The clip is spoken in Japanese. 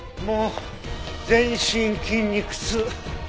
もう全身筋肉痛。